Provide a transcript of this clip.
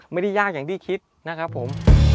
ไม่ได้ยากอย่างที่คิดนะครับผม